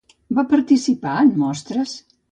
Va participar en mostres?